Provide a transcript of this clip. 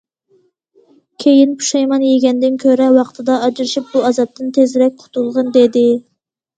كېيىن پۇشايمان يېگەندىن كۆرە، ۋاقتىدا ئاجرىشىپ، بۇ ئازابتىن تېزرەك قۇتۇلغىن،- دېدى.